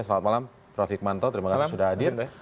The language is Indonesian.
selamat malam prof hikmanto terima kasih sudah hadir